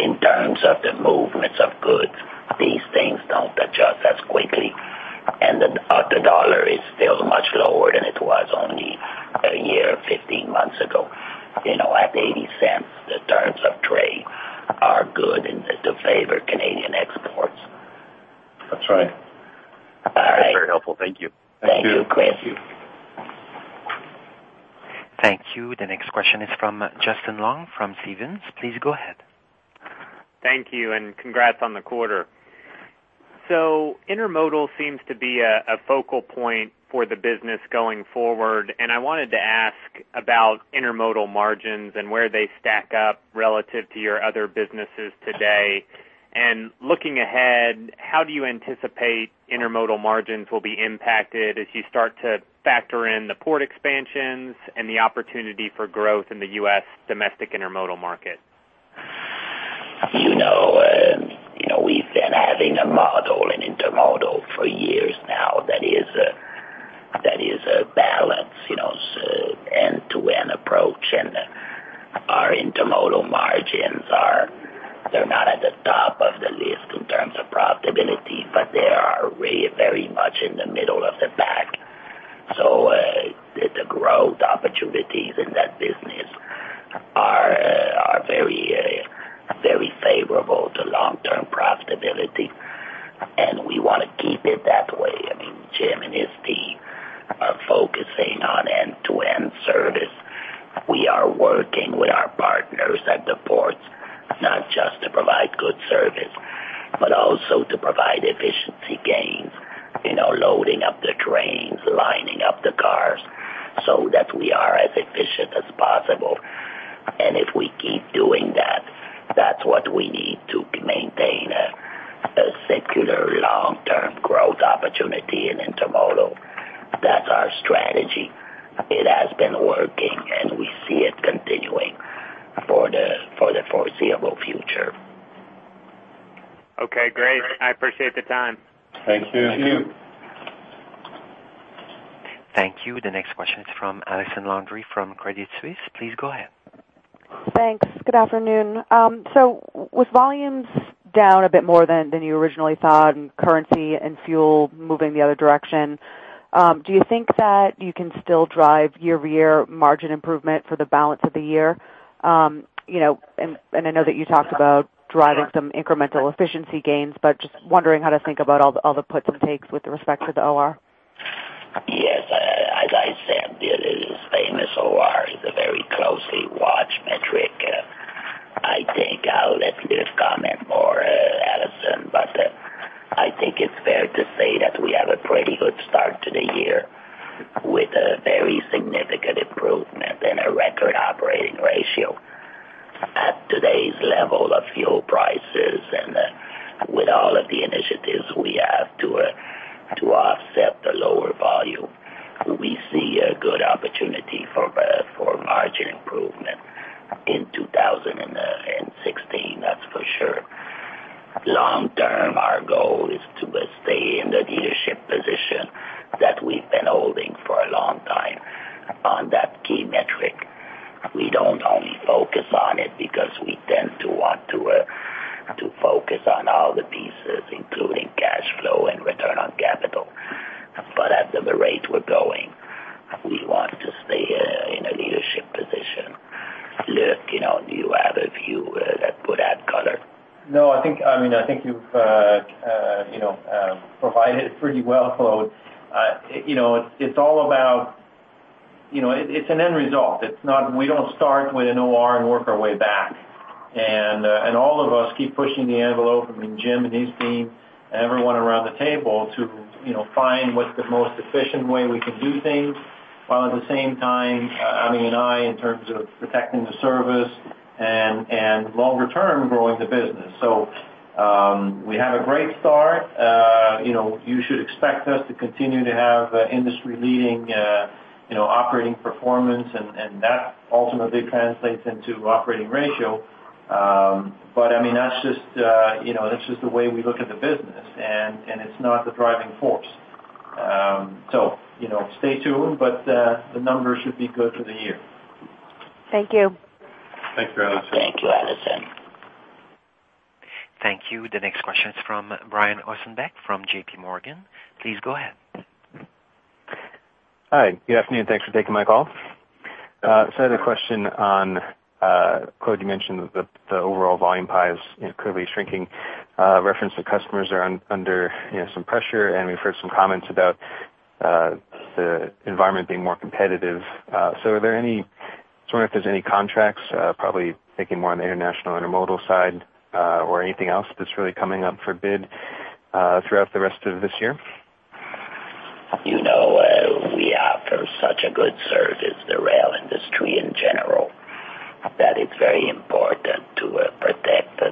In terms of the movements of goods, these things don't adjust as quickly, and the dollar is still much lower than it was only a year, 15 months ago. You know, at 80 cents, the terms of trade are good and to favor Canadian exports. That's right. All right. That's very helpful. Thank you. Thank you, Chris. Thank you. Thank you. The next question is from Justin Long, from Stephens. Please go ahead. Thank you, and congrats on the quarter. So intermodal seems to be a focal point for the business going forward, and I wanted to ask about intermodal margins and where they stack up relative to your other businesses today. And looking ahead, how do you anticipate intermodal margins will be impacted as you start to factor in the port expansions and the opportunity for growth in the U.S. domestic intermodal market?... You know, you know, we've been having a model in intermodal for years now that is, that is a balance, you know, end-to-end approach. And our intermodal margins are, they're not at the top of the list in terms of profitability, but they are very much in the middle of the pack. So, the growth opportunities in that business are very, very favorable to long-term profitability, and we wanna keep it that way. I mean, Jim and his team are focusing on end-to-end service. We are working with our partners at the ports, not just to provide good service, but also to provide efficiency gains. You know, loading up the trains, lining up the cars, so that we are as efficient as possible. And if we keep doing that, that's what we need to maintain a secular long-term growth opportunity in intermodal. That's our strategy. It has been working, and we see it continuing for the foreseeable future. Okay, great. I appreciate the time. Thank you. Thank you. Thank you. The next question is from Allison Landry from Credit Suisse. Please go ahead. Thanks. Good afternoon. So with volumes down a bit more than you originally thought, and currency and fuel moving the other direction, do you think that you can still drive year-over-year margin improvement for the balance of the year? You know, and I know that you talked about driving some incremental efficiency gains, but just wondering how to think about all the puts and takes with respect to the OR. Yes, as I said, the famous OR is a very closely watched metric. I think I'll let Luc comment more, Allison, but I think it's fair to say that we have a pretty good start to the year, with a very significant improvement and a record operating ratio. At today's level of fuel prices and with all of the initiatives we have to offset the lower volume, we see a good opportunity for margin improvement in 2016, that's for sure. Long term, our goal is to stay in the leadership position that we've been holding for a long time on that key metric. We don't only focus on it because we tend to want to focus on all the pieces, including cash flow and return on capital. But at the rate we're going, we want to stay in a leadership position. Luc, you know, do you have a view that could add color? No, I think, I mean, I think you've you know provided it pretty well. So, you know, it's all about, you know, it's an end result. It's not—we don't start with an OR and work our way back. And, and all of us keep pushing the envelope, I mean, Jim and his team, everyone around the table to, you know, find what's the most efficient way we can do things, while at the same time, JJ and I, in terms of protecting the service and, and longer term, growing the business. So, we have a great start. You know, you should expect us to continue to have industry-leading, you know, operating performance, and, and that ultimately translates into operating ratio. But, I mean, that's just, you know, that's just the way we look at the business, and, and it's not the driving force. So, you know, stay tuned, but, the numbers should be good for the year. Thank you. Thanks, Allison. Thank you, Allison. Thank you. The next question is from Brian Ossenbeck, from J.P. Morgan. Please go ahead. Hi, good afternoon. Thanks for taking my call. So I had a question on, Claude, you mentioned the, the overall volume pie is, you know, clearly shrinking. Reference to customers are under, you know, some pressure, and we've heard some comments about, the environment being more competitive. So are there any-- I was wondering if there's any contracts, probably thinking more on the international intermodal side, or anything else that's really coming up for bid, throughout the rest of this year? You know, we offer such a good service, the rail industry in general, that it's very important to protect the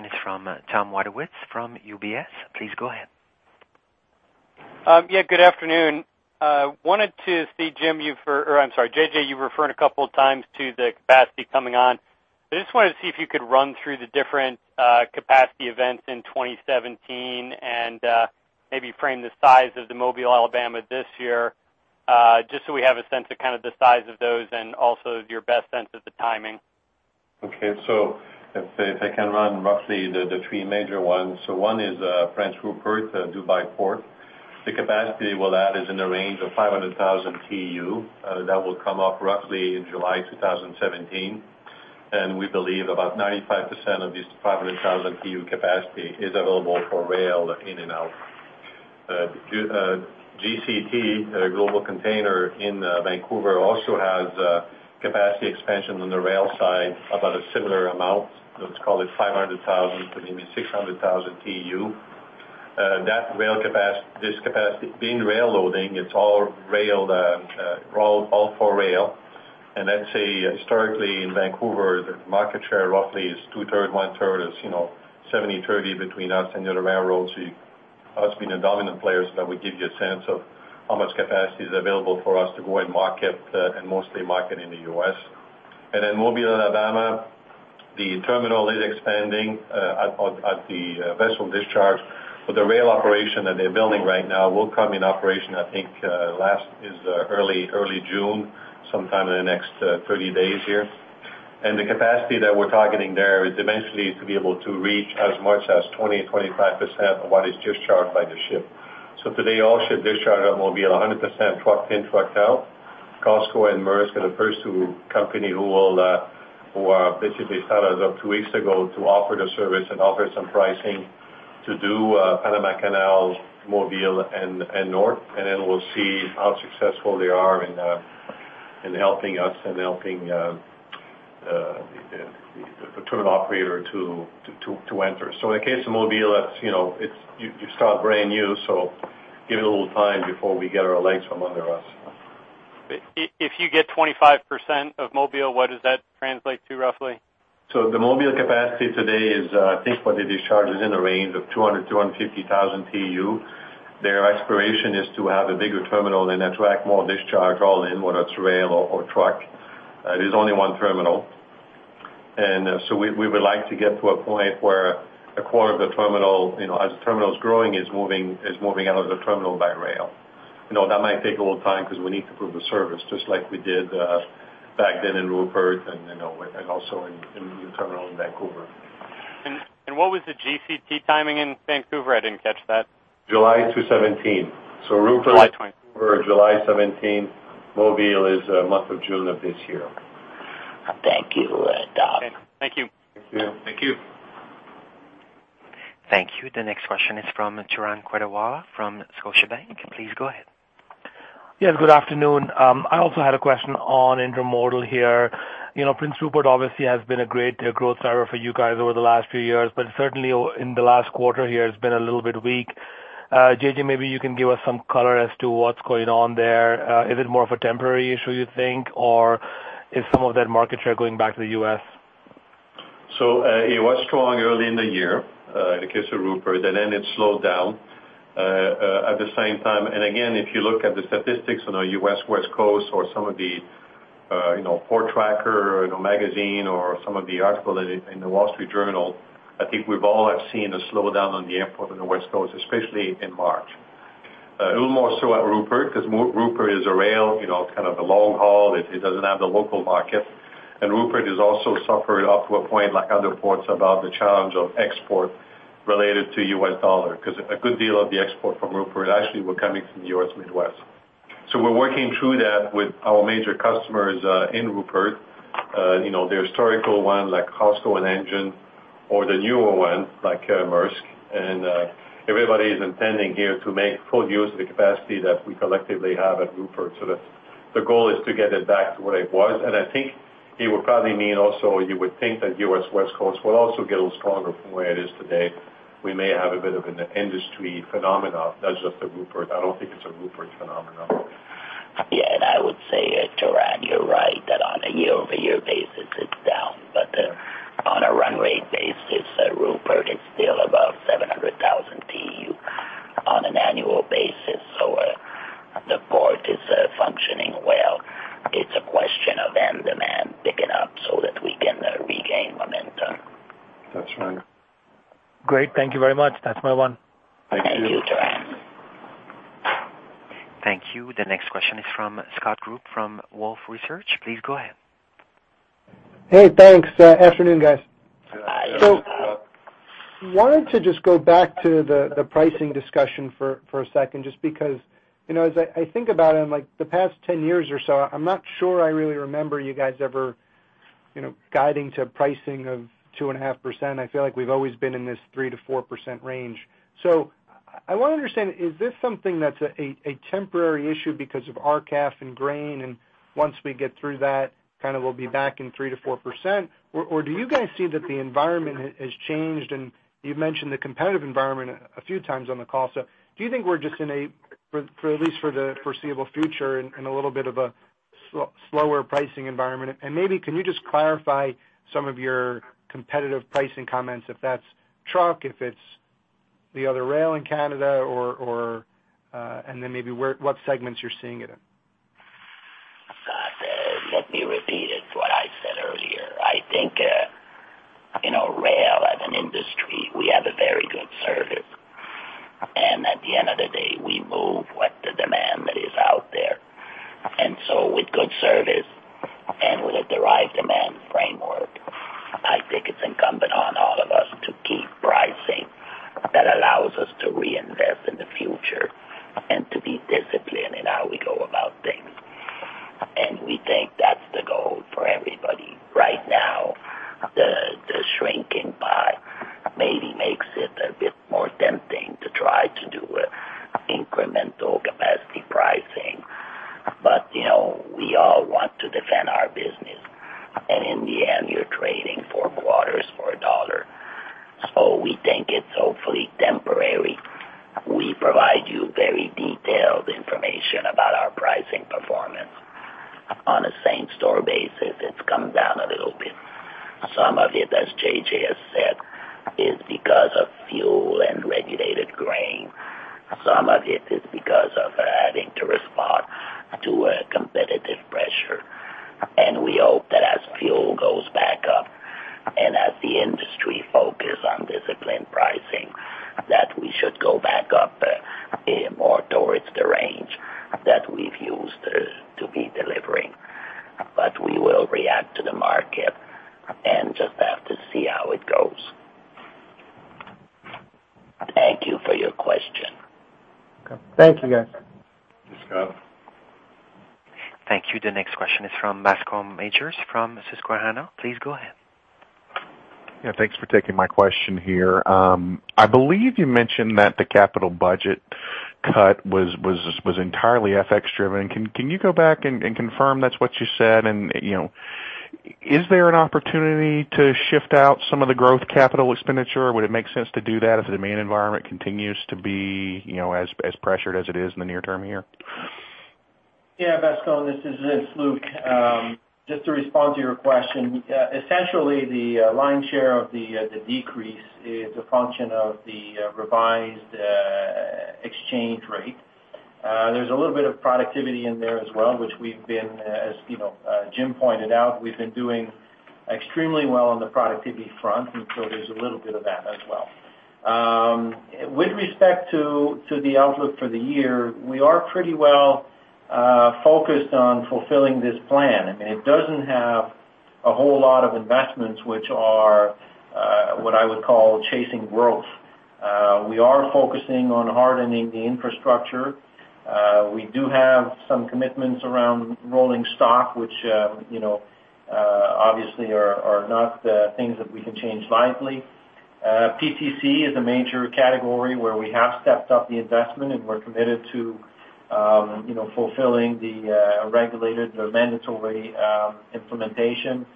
Yes, thank you. Thank you. The next question is from Tom Wadewitz from UBS. Please go ahead. Yeah, good afternoon. Wanted to see, Jim, you for -- or I'm sorry, JJ, you referring a couple of times to the capacity coming on. I just wanted to see if you could run through the different, capacity events in 2017 and, maybe frame the size of the Mobile, Alabama this year, just so we have a sense of kind of the size of those and also your best sense of the timing. Okay. So if I can run roughly the three major ones. So one is Prince Rupert, DP World. The capacity we'll add is in the range of 500,000 TEU, that will come up roughly in July 2017, and we believe about 95% of this 500,000 TEU capacity is available for rail in and out. GCT Global Container in Vancouver also has capacity expansion on the rail side, about a similar amount. Let's call it 500,000, maybe 600,000 TEU. That rail capacity, this capacity, being rail loading, it's all rail, all for rail. And I'd say historically in Vancouver, the market share roughly is two-thirds, one-third, is, you know, 70/30 between us and the other railroads. So us being the dominant players, that would give you a sense of how much capacity is available for us to go and market, and mostly market in the U.S. And then Mobile, Alabama, the terminal is expanding at the vessel discharge, but the rail operation that they're building right now will come in operation, I think, last is early June, sometime in the next 30 days here. And the capacity that we're targeting there is eventually to be able to reach as much as 20%-25% of what is discharged by the ship. So today, all ship discharge at Mobile are 100% truck in, truck out. COSCO and Maersk are the first two company who will, who, basically started up two weeks ago to offer the service and offer some pricing to do, Panama Canal, Mobile and, and North. And then we'll see how successful they are in, in helping us and helping, the terminal operator to, to, to, to enter. So in the case of Mobile, that's, you know, it's, you, you start brand new, so give it a little time before we get our legs from under us. If you get 25% of Mobile, what does that translate to roughly? The Mobile capacity today is, I think what they discharge is in the range of 200-250,000 TEU. Their aspiration is to have a bigger terminal and attract more discharge all in, whether it's rail or truck. There's only one terminal. We would like to get to a point where a quarter of the terminal, you know, as the terminal is growing, is moving out of the terminal by rail. You know, that might take a little time because we need to prove the service, just like we did back then in Rupert and, you know, and also in the terminal in Vancouver. What was the GCT timing in Vancouver? I didn't catch that. July 2, 2017. So Rupert- July twenty. July 17. Mobile is month of June of this year. Thank you, Tom. Thank you. Thank you. Thank you. The next question is from Turan Quettawala from Scotiabank. Please go ahead. Yes, good afternoon. I also had a question on intermodal here. You know, Prince Rupert obviously has been a great growth driver for you guys over the last few years, but certainly in the last quarter here, it's been a little bit weak. JJ, maybe you can give us some color as to what's going on there. Is it more of a temporary issue, you think, or is some of that market share going back to the U.S.? It was strong early in the year, in the case of Rupert, and then it slowed down. At the same time, and again, if you look at the statistics on the U.S. West Coast or some of the, you know, Port Tracker, you know, magazine or some of the article in, in the Wall Street Journal, I think we've all have seen a slowdown on the import on the West Coast, especially in March. A little more so at Rupert, because Rupert is a rail, you know, kind of a long haul. It doesn't have the local market. And Rupert has also suffered up to a point, like other ports, about the challenge of export related to U.S. dollar, because a good deal of the export from Rupert actually were coming from the U.S. Midwest. So we're working through that with our major customers in Rupert. You know, the historical one, like COSCO and Hanjin, or the newer one, like Maersk. And everybody is intending here to make full use of the capacity that we collectively have at Rupert. So the goal is to get it back to what it was. And I think it would probably mean also, you would think that U.S. West Coast will also get a little stronger from where it is today. We may have a bit of an industry phenomenon. That's just a Rupert. I don't think it's a Rupert phenomenon. Yeah, and I would say, Turan, you're right, that on a year-over-year basis, it's down. But, on a run rate basis, Rupert is still above 700,000 TEU on an annual basis, so, the port is, functioning well. It's a question of end demand picking up so that we can, regain momentum. That's right. Great. Thank you very much. That's my one. Thank you, Turan. Thank you. The next question is from Scott Group, from Wolfe Research. Please go ahead. Hey, thanks. Afternoon, guys. Good afternoon, Scott. So I wanted to just go back to the pricing discussion for a second, just because, you know, as I think about it, in like the past 10 years or so, I'm not sure I really remember you guys ever, you know, guiding to pricing of 2.5%. I feel like we've always been in this 3%-4% range. So I want to understand, is this something that's a temporary issue because of RCAF and grain and-... once we get through that, kind of we'll be back in 3%-4%. Or do you guys see that the environment has changed? And you've mentioned the competitive environment a few times on the call. So do you think we're just in a little bit of a slower pricing environment for at least the foreseeable future? And maybe can you just clarify some of your competitive pricing comments, if that's truck, if it's the other rail in Canada or and then maybe what segments you're seeing it in? Let me repeat what I said earlier. I think, you know, rail as an industry, we have a very good service. And at the end of the day, we move what the demand that is out there. And so with good service and with the right demand framework, I think it's incumbent on all of us to keep pricing that allows us to reinvest in the future and to be disciplined in how we go about things. And we think that's the goal for everybody. Right now, the shrinking pie maybe makes it a bit more tempting to try to do incremental capacity pricing. But, you know, we all want to defend our business, and in the end, you're trading four quarters for a dollar. So we think it's hopefully temporary. We provide you very detailed information about our pricing performance. On a same store basis, it's come down a little bit. Some of it, as JJ has said, is because of fuel and regulated grain. Some of it is because of having to respond to a competitive pressure. And we hope that as fuel goes back up and as the industry focus on disciplined pricing, that we should go back up, more towards the range that we've used to, to be delivering. But we will react to the market and just have to see how it goes. Thank you for your question. Okay. Thank you, guys. Thanks, Scott. Thank you. The next question is from Bascom Majors, from Susquehanna. Please go ahead. Yeah, thanks for taking my question here. I believe you mentioned that the capital budget cut was entirely FX driven. Can you go back and confirm that's what you said? And, you know, is there an opportunity to shift out some of the growth capital expenditure? Would it make sense to do that if the demand environment continues to be, you know, as pressured as it is in the near term here? Yeah, Bascom, this is Luc. Just to respond to your question, essentially, the lion's share of the decrease is a function of the revised exchange rate. There's a little bit of productivity in there as well, which we've been, as you know, Jim pointed out, we've been doing extremely well on the productivity front, and so there's a little bit of that as well. With respect to the outlook for the year, we are pretty well focused on fulfilling this plan. I mean, it doesn't have a whole lot of investments, which are what I would call chasing growth. We are focusing on hardening the infrastructure. We do have some commitments around rolling stock, which, you know, obviously are not things that we can change lightly. PTC is a major category where we have stepped up the investment, and we're committed to, you know, fulfilling the regulated or mandatory implementation.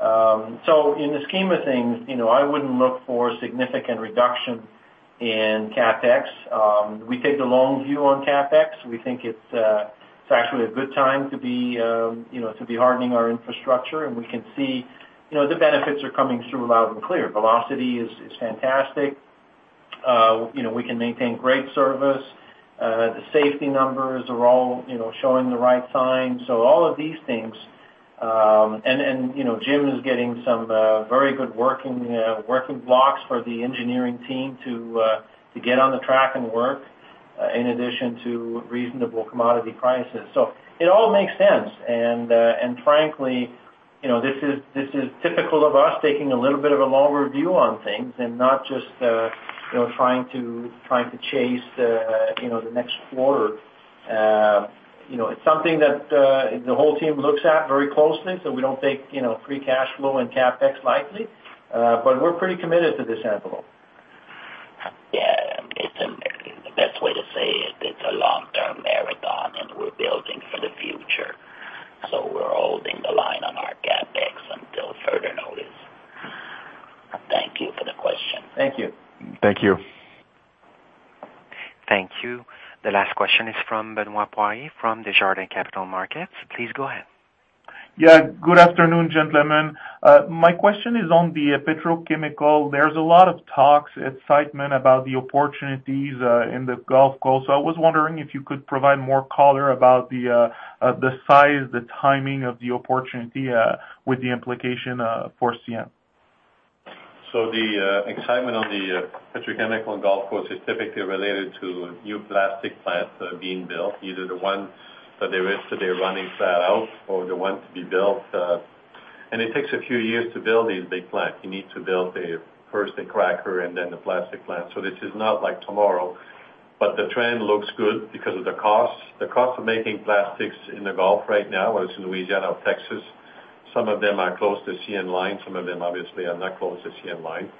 So in the scheme of things, you know, I wouldn't look for a significant reduction in CapEx. We take the long view on CapEx. We think it's, it's actually a good time to be, you know, to be hardening our infrastructure, and we can see, you know, the benefits are coming through loud and clear. Velocity is fantastic. You know, we can maintain great service. The safety numbers are all, you know, showing the right signs. So all of these things... And you know, Jim is getting some very good working blocks for the engineering team to get on the track and work, in addition to reasonable commodity prices. So it all makes sense. And frankly, you know, this is typical of us taking a little bit of a longer view on things and not just, you know, trying to chase the next quarter. You know, it's something that the whole team looks at very closely, so we don't take free cash flow and CapEx lightly, but we're pretty committed to this envelope. Yeah, it's the best way to say it, it's a long-term marathon, and we're building for the future. So we're holding the line on our CapEx until further notice. Thank you for the question. Thank you. Thank you. Thank you. The last question is from Benoit Poirier, from Desjardins Capital Markets. Please go ahead. Yeah, good afternoon, gentlemen. My question is on the petrochemical. There's a lot of talks, excitement about the opportunities in the Gulf Coast. So I was wondering if you could provide more color about the size, the timing of the opportunity with the implication for CN. So the excitement on the petrochemical in Gulf Coast is typically related to new plastic plants being built, either the ones that they risk to their running flat out or the ones to be built. And it takes a few years to build these big plants. You need to build, first, a cracker and then the plastic plant. So this is not like tomorrow, but the trend looks good because of the costs. The cost of making plastics in the Gulf right now, whether it's Louisiana or Texas- ...Some of them are close to CN line, some of them obviously are not close to CN line.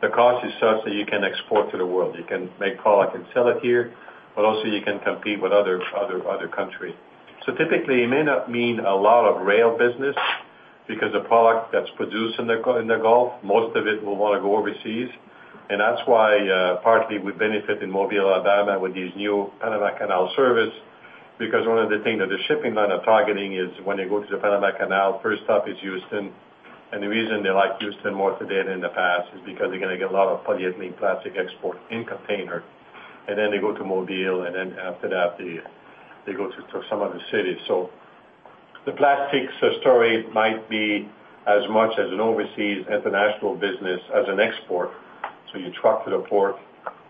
The cost is such that you can export to the world. You can make product and sell it here, but also you can compete with other countries. So typically, it may not mean a lot of rail business, because the product that's produced in the Gulf, most of it will wanna go overseas. And that's why, partly we benefit in Mobile, Alabama, with these new Panama Canal service, because one of the things that the shipping line are targeting is when they go to the Panama Canal, first stop is Houston. The reason they like Houston more today than in the past is because they're gonna get a lot of polyethylene plastic export in container, and then they go to Mobile, and then after that, they go to some other city. So the plastics story might be as much as an overseas international business as an export. So you truck to the port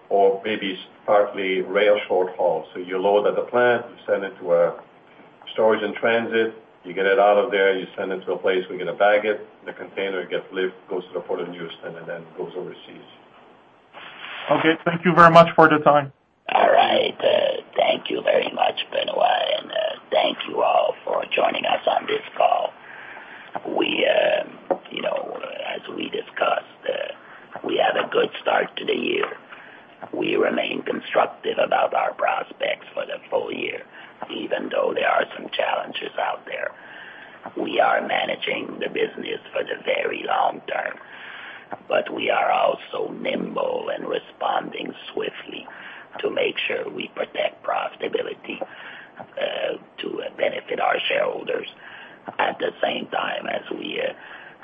or maybe partly rail short haul. So you load at the plant, you send it to a storage in transit, you get it out of there, you send it to a place where you're gonna bag it, the container gets lifted, goes to the Port of Houston, and then goes overseas. Okay, thank you very much for the time. All right, thank you very much, Benoit, and thank you all for joining us on this call. We, you know, as we discussed, we had a good start to the year. We remain constructive about our prospects for the full year, even though there are some challenges out there. We are managing the business for the very long term, but we are also nimble and responding swiftly to make sure we protect profitability, to benefit our shareholders. At the same time, as we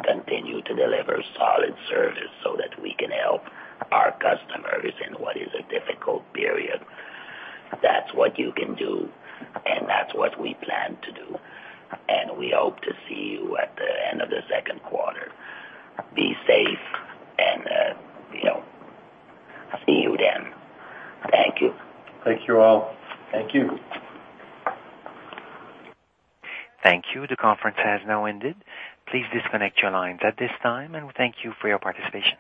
continue to deliver solid service so that we can help our customers in what is a difficult period. That's what you can do, and that's what we plan to do, and we hope to see you at the end of the second quarter. Be safe, and, you know, see you then. Thank you. Thank you all. Thank you. Thank you. The conference has now ended. Please disconnect your lines at this time, and thank you for your participation.